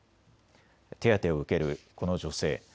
手当てを受けるこの女性。